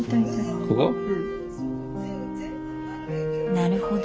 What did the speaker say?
なるほど。